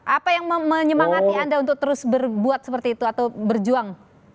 apa yang menyemangati anda untuk terus berbuat seperti itu atau berjuang